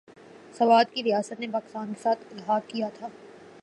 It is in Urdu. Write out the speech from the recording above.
سوات کی ریاست نے پاکستان کے ساتھ الحاق کیا تھا ۔